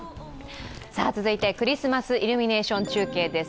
続いて、クリスマスイルミネーション中継です。